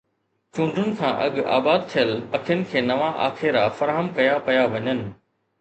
چونڊن کان اڳ آباد ٿيل پکين کي نوان آکيرا فراهم ڪيا پيا وڃن.